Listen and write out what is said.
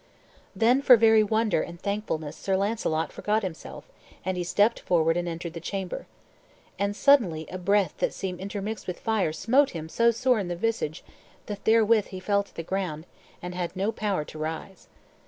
Then for very wonder and thankfulness Sir Launcelot forgot himself and he stepped forward and entered the chamber. And suddenly a breath that seemed intermixed with fire smote him so sore in the visage that therewith he fell to the ground, and had no power to rise.